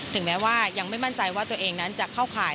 แม้ว่ายังไม่มั่นใจว่าตัวเองนั้นจะเข้าข่าย